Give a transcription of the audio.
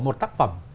một tác phẩm